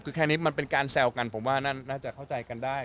คือแค่นี้มันเป็นการแซวกันผมว่าน่าจะเข้าใจกันได้